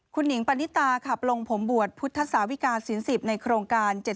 คุณิงปณิตาปลงผมบวชพุทธสาวิกาสินสิบในโครงการ